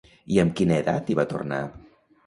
I amb quina edat hi va tornar?